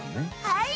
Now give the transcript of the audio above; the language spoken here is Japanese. はい！